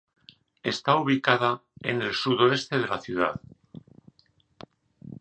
Está ubicada en el sudoeste de la ciudad.